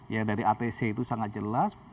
ya dari atc itu sangat jelas